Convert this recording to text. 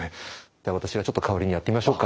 では私がちょっと代わりにやってみましょうか。